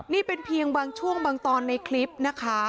นี่เป็นเพียงบางช่วงบางตอนในคลิปนะคะ